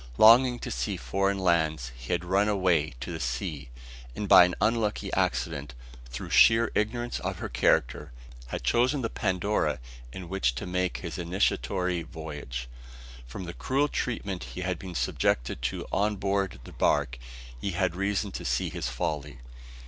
Longing to see foreign lands, he had run away to sea; and by an unlucky accident, through sheer ignorance of her character, had chosen the Pandora in which to make his initiatory voyage. From the cruel treatment he had been subjected to on board the bark, he had reason to see his folly.